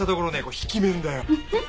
こう引き面だよ。